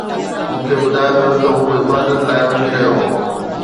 مون کي ٻڌايو ويو ته هو عبادت لاءِ وڃي رهيو هو